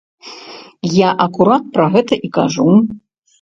Я акурат пра гэта і кажу.